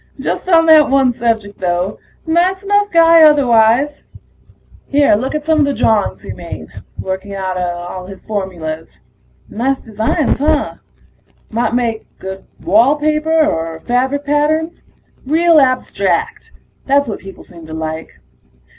Just on that one subject, though; nice enough guy otherwise. Here, look at some of the drawings he made, working out his formulas. Nice designs, huh? Might make good wall paper or fabric patterns. Real abstract ... that's what people seem to like.